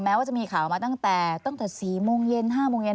ว่าจะมีข่าวมาตั้งแต่ตั้งแต่๔โมงเย็น๕โมงเย็น